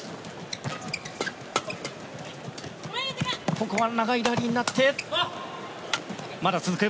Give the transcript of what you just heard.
ここは長いラリーになってまだ続く。